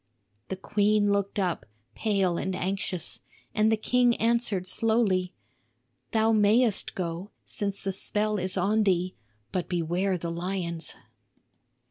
The queen looked up, pale and anxious; and the king answered slowly, "Thou mayst go, since the spell is on thee; but beware the lions."